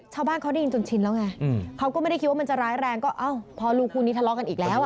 ชาวบ้านเขาได้ยินจนชินแล้วไงเขาก็ไม่ได้คิดว่ามันจะร้ายแรงก็เอ้าพ่อลูกคู่นี้ทะเลาะกันอีกแล้วอ่ะ